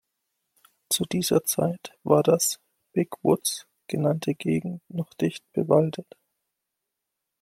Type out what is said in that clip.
Zu dieser Zeit war das "Big Woods" genannte Gegend noch dicht bewaldet.